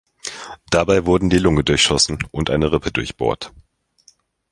Dabei wurden die Lunge durchschossen und eine Rippe durchbohrt.